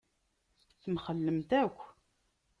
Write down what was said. Temxellemt akk.